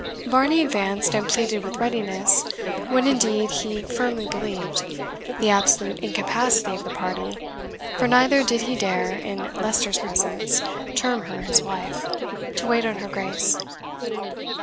Varney advanced, and pleaded with readiness, what indeed he firmly believed, the absolute incapacity of the party (for neither did he dare, in Leicester's presence, term her his wife) to wait on her Grace.